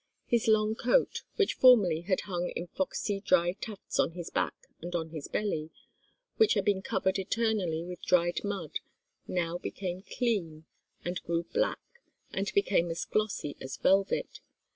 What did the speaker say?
His long coat, which formerly had hung in foxy dry tufts on his back and on his belly, which had been covered eternally with dried mud, now became clean, and grew black, and became as glossy as velvet.